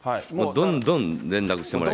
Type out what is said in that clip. どんどん連絡してもらいたい。